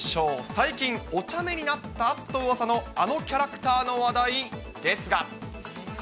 最近、おちゃめになったとうわさのあのキャラクターの話題ですが。